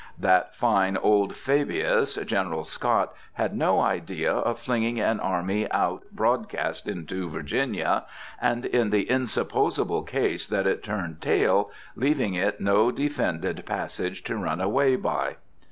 That fine old Fabius, General Scott, had no idea of flinging an army out broadcast into Virginia, and, in the insupposable case that it turned tail, leaving it no defended passage to run away by.